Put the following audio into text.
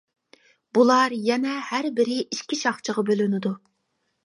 بۇلار يەنە ھەر بىرى ئىككى شاخچىغا بۆلۈنىدۇ.